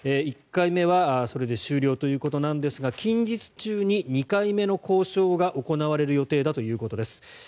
１回目はそれで終了ということなんですが近日中に２回目の交渉が行われる予定だということです。